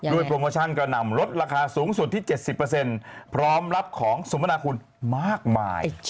โปรโมชั่นกระหน่ำลดราคาสูงสุดที่๗๐พร้อมรับของสมนาคุณมากมาย